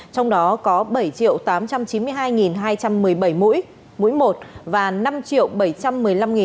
trong đó có bảy tám trăm chín mươi hai hai trăm một mươi bảy mũi một và năm bảy trăm một mươi năm ba trăm bốn mươi bảy mũi hai